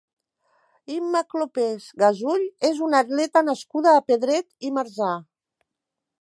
Imma Clopés Gasull és una atleta nascuda a Pedret i Marzà.